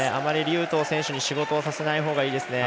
劉禹とうに仕事をさせないほうがいいですね。